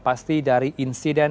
pasti dari insiden ini